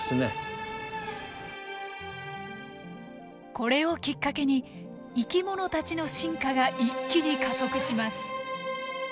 これをきっかけに生き物たちの進化が一気に加速します。